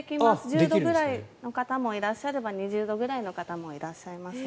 １０度ぐらいの方もいらっしゃれば２０度ぐらいの方もいらっしゃいます。